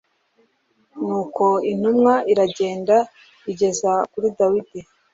Nuko intumwa iragenda igeze kuri Dawidi